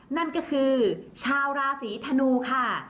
นั่นก็คือชาวราศีธนูค่ะ